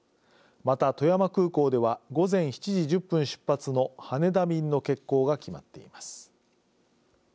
また富山空港では午前７時１０分出発の羽田便の欠航が決まっています。